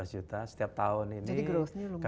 empat belas juta setiap tahun ini jadi growthnya